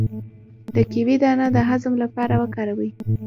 د کیوي دانه د هضم لپاره وکاروئ